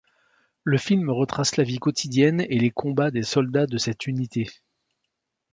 Le film retrace la vie quotidienne et les combats des soldats de cette unité.